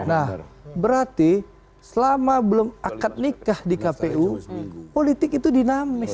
nah berarti selama belum akad nikah di kpu politik itu dinamis